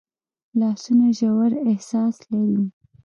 لاسونه ژور احساس لري